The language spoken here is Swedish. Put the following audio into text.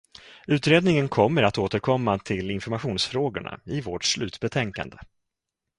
Utredningen kommer att återkomma till informationsfrågorna i vårt slutbetänkande.